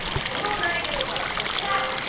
その内容がこちら。